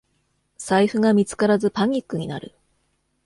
財布が見つからずパニックになる